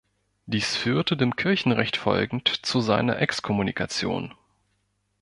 Dies führte dem Kirchenrecht folgend zu seiner Exkommunikation.